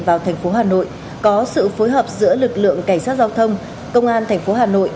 vào thành phố hà nội có sự phối hợp giữa lực lượng cảnh sát giao thông công an thành phố hà nội